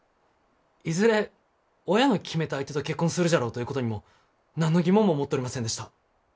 いずれ親の決めた相手と結婚するじゃろうということにも何の疑問も持っとりませんでした。